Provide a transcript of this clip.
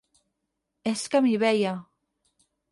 És que m'hi veia.